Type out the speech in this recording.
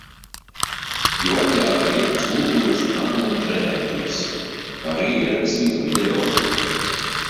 Jo atļāva iet uz kultūras namu un trenēties. Arī ierakstīt video.